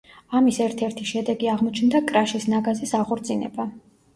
ამის ერთ-ერთი შედეგი აღმოჩნდა კრაშის ნაგაზის აღორძინება.